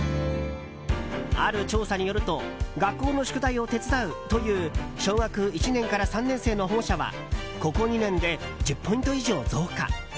ある調査によると学校の宿題を手伝うという小学１年から３年生の保護者はここ２年で１０ポイント以上増加。